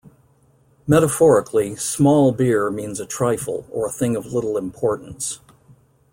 Metaphorically, "small beer" means a trifle, or a thing of little importance.